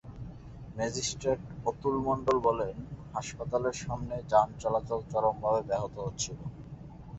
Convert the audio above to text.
Magistrate Atul Mondal বলেন, হাসপাতালের সামনে যান চলাচল চরমভাবে ব্যাহত হচ্ছিল।